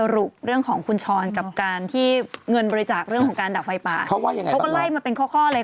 เรื่องของการดับไฟป่าเขาก็ไล่มาเป็นข้อเลย